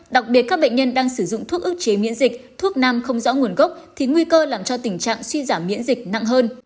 đặc biệt các bệnh nhân đang sử dụng thuốc ức chế miễn dịch thuốc nam không rõ nguồn gốc thì nguy cơ làm cho tình trạng suy giảm miễn dịch nặng hơn